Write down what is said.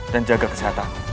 dan jaga kesehatanmu